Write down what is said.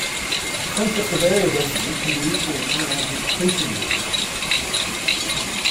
The concept of area density can be useful when analysing accretion disks.